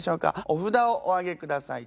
お札をお上げください。